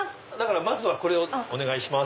まずはこれをお願いします。